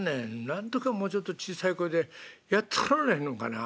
なんとかもうちょっと小さい声でやっとられへんのんかな。